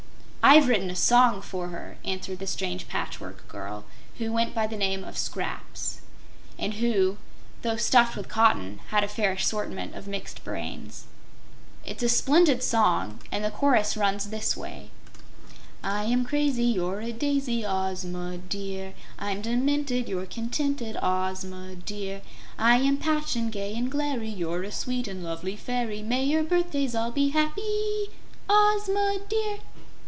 "I've written a song for her," answered the strange Patchwork Girl, who went by the name of "Scraps," and who, through stuffed with cotton, had a fair assortment of mixed brains. "It's a splendid song and the chorus runs this way: I am crazy; You're a daisy, Ozma dear; I'm demented; You're contented, Ozma dear; I am patched and gay and glary; You're a sweet and lovely fairy; May your birthdays all be happy, Ozma dear!"